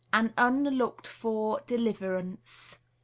AN UNLOOKED FOR DELIVERANCE.